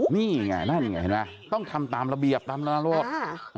นี่ไงนั่นไงเห็นไหมต้องทำตามระเบียบตามนาโลก